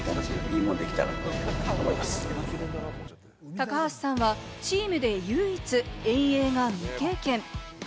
高橋さんはチームで唯一、遠泳が未経験。